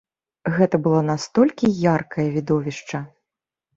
Гэта было настолькі яркае відовішча!